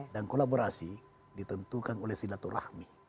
dan kolaborasi ditentukan oleh silaturahmi